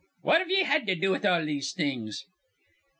What have ye had to do with all these things?"